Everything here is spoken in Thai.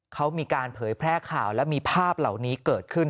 เขามีการเผยแพร่ข่าวและมีภาพเหล่านี้เกิดขึ้น